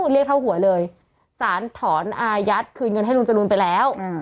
เรียกเท่าหัวเลยสารถอนอายัดคืนเงินให้ลุงจรูนไปแล้ว